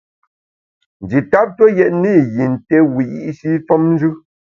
Nji tap tue yètne i yin té wiyi’shi femnjù.